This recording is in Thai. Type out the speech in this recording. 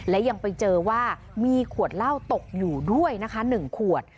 และยังไปเจอว่ามีขวดเหล้าตกอยู่ด้วยนะคะ๑ขวด